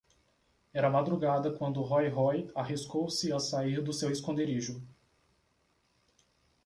Era madrugada quando Rói-Rói arriscou-se a sair do seu esconderijo.